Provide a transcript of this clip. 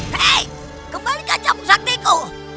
hei kembalikan capu saktiku